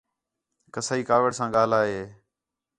کسائی کاوِڑ سا ڳاھلا ہِے